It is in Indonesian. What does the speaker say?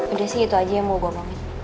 udah sih itu aja yang mau gue omongin